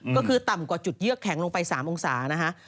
ก็คือต่ำกว่าจุดเยือกแข็งลงไป๓องศานะฮะ